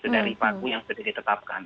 dari paku yang sudah ditetapkan